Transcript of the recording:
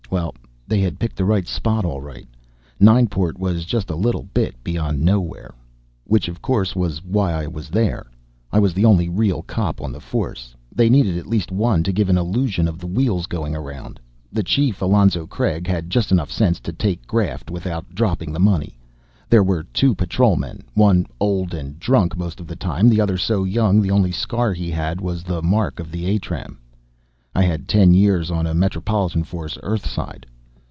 Well, they had picked the right spot all right. Nineport was just a little bit beyond nowhere. Which, of course, was why I was there. I was the only real cop on the force. They needed at least one to give an illusion of the wheels going around. The Chief, Alonzo Craig, had just enough sense to take graft without dropping the money. There were two patrolmen. One old and drunk most of the time. The other so young the only scar he had was the mark of the attram. I had ten years on a metropolitan force, earthside.